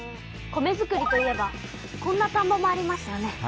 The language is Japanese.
米づくりといえばこんなたんぼもありますよね。